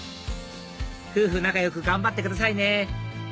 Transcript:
夫婦仲良く頑張ってくださいね！